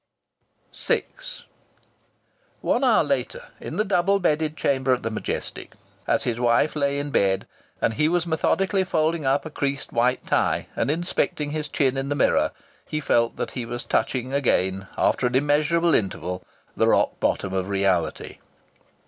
VI One hour later, in the double bedded chamber at the Majestic, as his wife lay in bed and he was methodically folding up a creased white tie and inspecting his chin in the mirror, he felt that he was touching again, after an immeasurable interval, the rock bottom of reality.